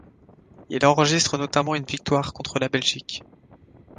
Il enregistre notamment une victoire contre la Belgique.